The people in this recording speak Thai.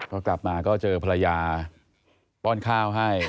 พอกลับมาก็เจอภรรยาป้อนข้าวให้